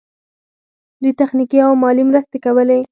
دوی تخنیکي او مالي مرستې کولې.